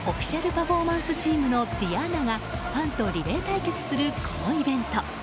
パフォーマンスチームのｄｉａｎａがファンとリレー対決するこのイベント。